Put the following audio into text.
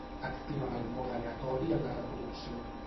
Activa'm el mode aleatori en la reproducció.